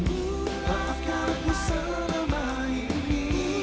apa kan aku selama ini